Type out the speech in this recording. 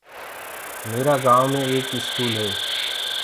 ميرآ گائونٚ مي ايڪ اسڪول هي۔